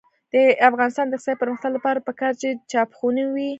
د افغانستان د اقتصادي پرمختګ لپاره پکار ده چې چاپخونې وي.